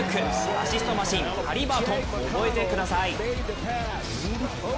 アシストマシン・ハリバートン覚えてください。